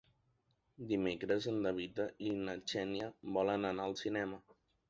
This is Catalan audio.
Dimecres en David i na Xènia volen anar al cinema.